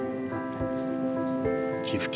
寄付金